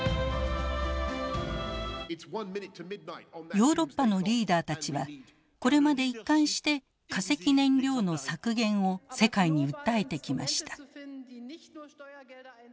ヨーロッパのリーダーたちはこれまで一貫して化石燃料の削減を世界に訴えてきました。